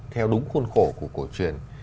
theo đúng khuôn khổ của cổ truyền